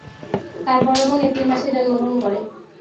তার বড় বোন এপ্রিল মাসে জন্মগ্রহণ করে।